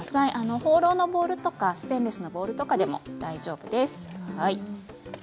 ホーローのボウルステンレスのボウルでも大丈夫です。